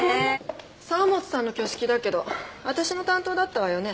沢本さんの挙式だけどわたしの担当だったわよね。